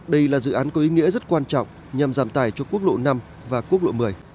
đây là dự án có ý nghĩa rất quan trọng nhằm giảm tài cho quốc lộ năm và quốc lộ một mươi